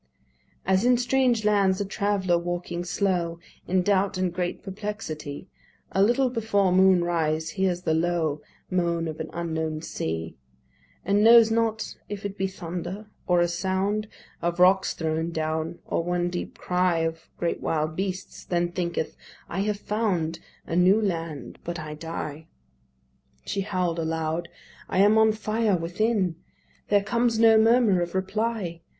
As in strange lands a traveller walking slow, In doubt and great perplexity, A little before moon rise hears the low Moan of an unknown sea; And knows not if it be thunder, or a sound Of rocks thrown down, or one deep cry Of great wild beasts; then thinketh, "I have found A new land, but I die." She howl'd aloud, "I am on fire within. There comes no murmur of reply.